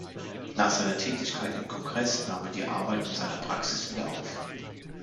Nach seiner Tätigkeit im Kongress nahm er die Arbeit in seiner Praxis wieder auf.